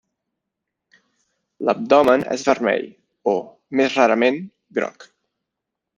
L'abdomen és vermell o, més rarament, groc.